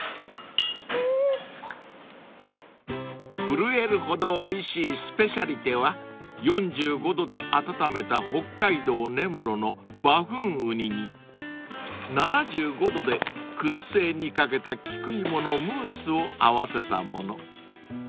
［震えるほどおいしいスペシャリテは４５℃で温めた北海道根室のバフンウニに７５℃で薫製にかけたキクイモのムースを合わせたもの］